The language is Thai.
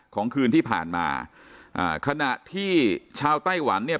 คืนที่ผ่านมาอ่าขณะที่ชาวไต้หวันเนี่ย